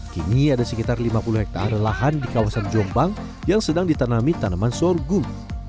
kini ada sekitar lima puluh hektare lahan di kawasan jombang yang sedang ditanami tanaman sorghum